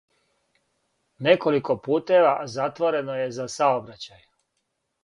Неколико путева затворено је за саобраћај.